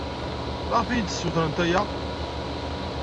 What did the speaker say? Maɣef ay iyi-d-ssutrent aya?